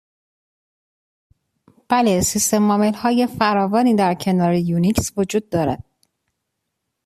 بله، سیستم عاملهای فراوانی در کنار یونیکس وجود دارد.